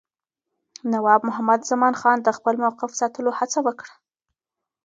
نواب محمد زمانخان د خپل موقف ساتلو هڅه وکړه.